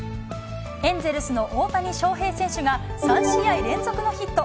エンゼルスの大谷翔平選手が３試合連続のヒット。